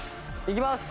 いきます！